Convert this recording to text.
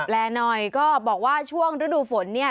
หน่อยก็บอกว่าช่วงฤดูฝนเนี่ย